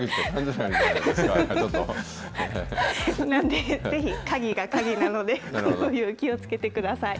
なんで、ぜひ鍵がカギなので、気をつけてください。